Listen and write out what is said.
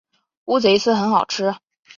乌贼丝很好吃